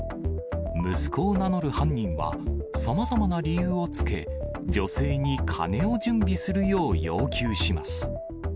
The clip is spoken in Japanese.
息子を名乗る犯人は、さまざまな理由をつけ、女性に金を準備するよう要求します。